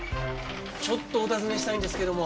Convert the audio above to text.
ちょっとお尋ねしたいんですけども。